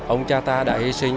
ông cha ta đã hi sinh